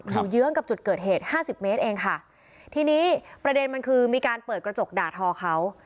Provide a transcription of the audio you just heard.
เยื้องกับจุดเกิดเหตุห้าสิบเมตรเองค่ะทีนี้ประเด็นมันคือมีการเปิดกระจกด่าทอเขา